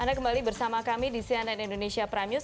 anda kembali bersama kami di cnn indonesia prime news